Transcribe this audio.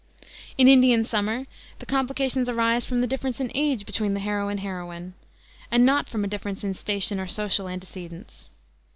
In Indian Summer the complications arise from the difference in age between the hero and heroine, and not from a difference in station or social antecedents.